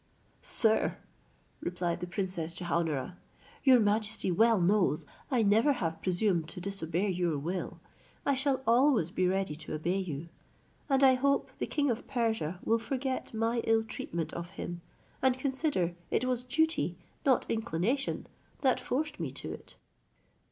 "Sir," replied the princess Jehaun ara, "your majesty well knows I never have presumed to disobey your will: I shall always be ready to obey you; and I hope the king of Persia will forget my ill treatment of him, and consider it was duty, not inclination, that forced me to it."